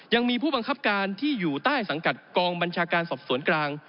ยังมีผู้บังคับการที่อยู่ใต้สังกัดกองบัญชาการสอบสวนกลาง